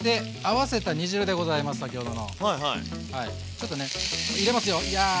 ちょっとね入れますよヤー！